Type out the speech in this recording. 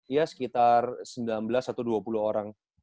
ya sekitar sembilan belas atau dua puluh orang